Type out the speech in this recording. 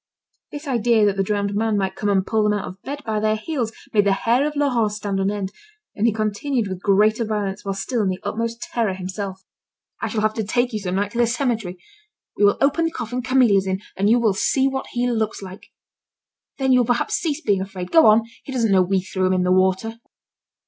This idea that the drowned man might come and pull them out of bed by the heels, made the hair of Laurent stand on end, and he continued with greater violence, while still in the utmost terror himself. "I shall have to take you some night to the cemetery. We will open the coffin Camille is in, and you will see what he looks like! Then you will perhaps cease being afraid. Go on, he doesn't know we threw him in the water."